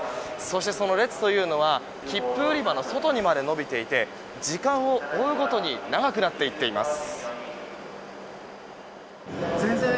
そして、その列というのは切符売り場の外まで伸びていて時間を追うごとに長くなっていっています。